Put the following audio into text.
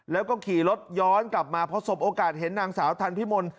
แล้วก็ขี่รถย้อนกลับมาพอสบโอกาสเห็นนางสาวทันพิมล